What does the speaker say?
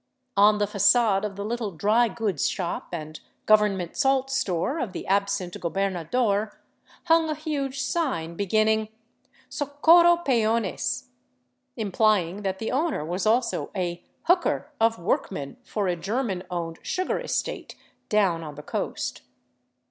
On the facade of the little drygoods shop and gov 272 DRAWBACKS OF THE TRAIL ernment salt store of the absent gobernador hung a huge sign be ginning *' SOCORRO PEONES," implying that the owner was also a " hooker " of workmen for a German owned sugar estate down on the coast.